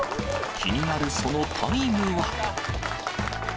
気になるそのタイムは？